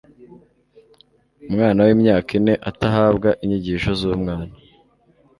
umwana w'imyaka ine atahabwa inyigisho z'umwana